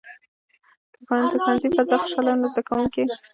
که د ښوونځي فضا خوشحاله وي، نو زده کوونکي به خوشاله وي.